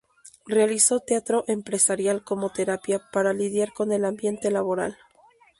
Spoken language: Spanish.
Realizó teatro empresarial como terapia para lidiar con el ambiente laboral.